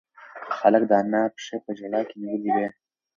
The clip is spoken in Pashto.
هلک د انا پښې په ژړا کې نیولې وې.